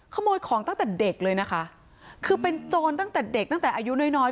ขโมยของตั้งแต่เด็กเลยนะคะคือเป็นโจรตั้งแต่เด็กตั้งแต่อายุน้อยน้อย